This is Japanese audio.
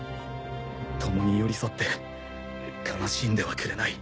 共に寄り添って悲しんではくれない。